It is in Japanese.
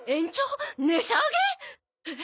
えっ！？